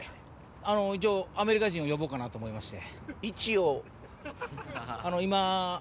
一応アメリカ人を呼ぼうかなと思いまして。